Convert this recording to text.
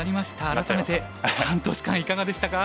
改めて半年間いかがでしたか？